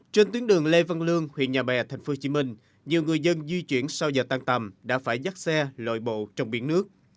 trên tuyến đường lê văn lương huyện nhà bè tp hcm nhiều người dân di chuyển sau giờ tan tầm đã phải dắt xe lội bộ trong biển nước